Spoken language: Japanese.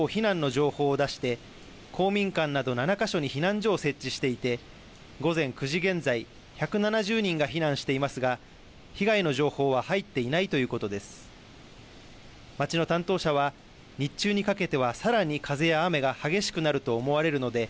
町はきのう、高齢者等避難の情報を出して公民館など７か所に避難所を設置していて午前９時現在、１７０人が避難していますが被害の情報は入っていないということです。